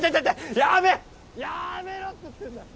やめやめろって言ってんだよ！